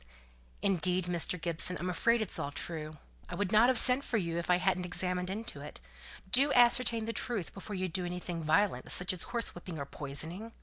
"Indeed, Mr. Gibson, I'm afraid it's all true. I would not have sent for you if I hadn't examined into it. Do ascertain the truth before you do anything violent, such as horsewhipping or poisoning."